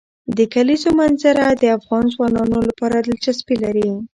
د کلیزو منظره د افغان ځوانانو لپاره دلچسپي لري.